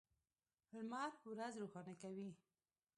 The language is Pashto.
لمر ورځ روښانه کوي.